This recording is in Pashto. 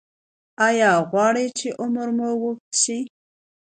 ایا غواړئ چې عمر مو اوږد شي؟